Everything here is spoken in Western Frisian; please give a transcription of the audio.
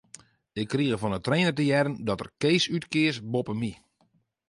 Ik krige fan 'e trainer te hearren dat er Kees útkeas boppe my.